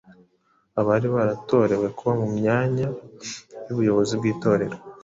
abari baratorewe kuba mu myanya y’ubuyobozi mu Itorero.